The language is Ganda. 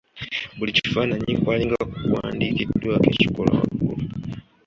Buli kifaananyi kwalinga kuwandiikiddwako ekikolwa waggulu.